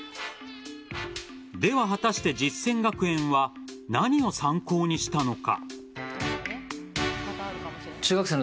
では、果たして実践学園は何を参考にしたのか。